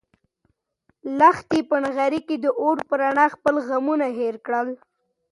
لښتې په نغري کې د اور په رڼا خپل غمونه هېر کړل.